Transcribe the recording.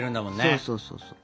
そうそうそうそう。